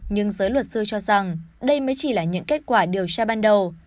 nhưng giới luật sư cho rằng đây mới chỉ là những kết quả điều tra ban đầu